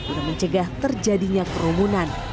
untuk mencegah terjadinya kerumunan